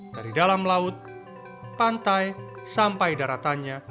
dari dalam laut pantai sampai daratannya